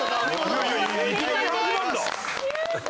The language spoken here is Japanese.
いやいやいきなり始まるんだ。